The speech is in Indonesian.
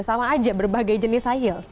sama aja berbagai jenis sayur